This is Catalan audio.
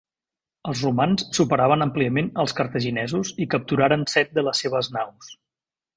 Els romans superaven àmpliament als cartaginesos i capturaren set de les seves naus.